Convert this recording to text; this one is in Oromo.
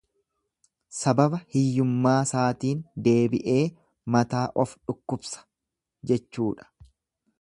sababa hiyyummaasaatiin deebi'ee mataa of dhukkubsa jechuudha.